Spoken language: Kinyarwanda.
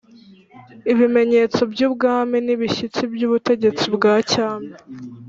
ibimenyetso by'ubwami n'ibishyitsi by'ubutegetsi bwa cyami.